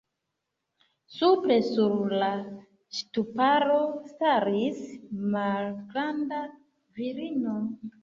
Supre sur la ŝtuparo staris malgranda virino.